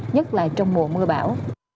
nhất là trong mùa mưa bão